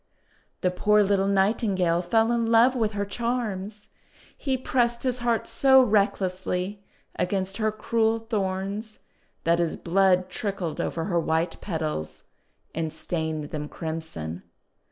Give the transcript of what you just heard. The poor little Nightingale fell in love with her charms. He pressed his heart so recklessly against her cruel thorns that his blood trickled over her white petals, and stained them crimson.